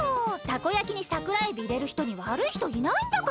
たこ焼きにサクラエビいれるひとにわるいひといないんだから。